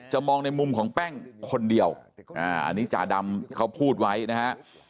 มองในมุมของแป้งคนเดียวอันนี้จาดำเขาพูดไว้นะฮะ